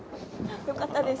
よかったです。